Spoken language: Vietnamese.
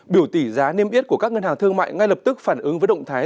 biểu tỷ giá niêm yết của các ngân hàng thương mại ngay lập tức phản ứng với động thái